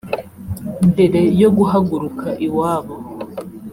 Mbere yo guhaguruka iwabo